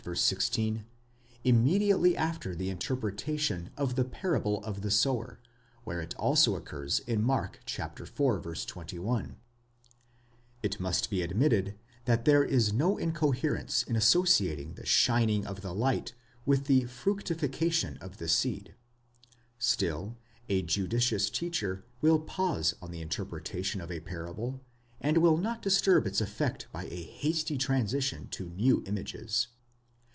16) immediately after the interpretation of the parable of the sower, where it also occurs in Mark (iv. 21), It must be admitted that there is no incoherence in associating the shining of the light with the fructification of the seed ; still, a judicious teacher will pause on the interpretation of a parable, and will not disturb its effect by a hasty transition to new images.